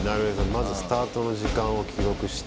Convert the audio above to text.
まずスタートの時間を記録して映して。